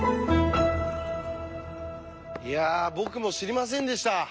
いや僕も知りませんでした。